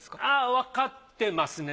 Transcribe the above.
わかってますね。